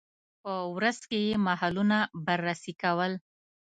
په ورځ کې یې محلونه بررسي کول.